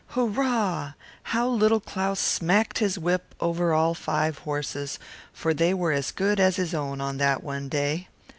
Then how Little Claus would smack his whip over all five horses, they were as good as his own on that one day.